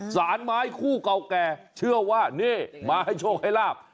สารไม้คู่เก่าแก่เชื่อว่านี่มาให้โชคให้ลาบ